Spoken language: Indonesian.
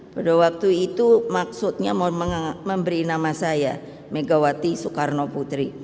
pada waktu itu maksudnya memberi nama saya megawati soekarno putri